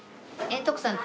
徳さん